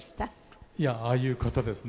いやああいう方ですね